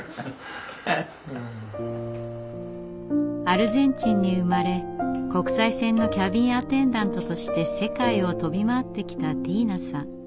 アルゼンチンに生まれ国際線のキャビンアテンダントとして世界を飛び回ってきたティーナさん。